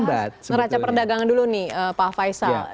kita bahas neraca perdagangan dulu nih pak faisal